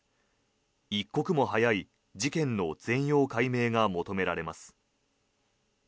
一刻も早い事件の全容解明が求められます。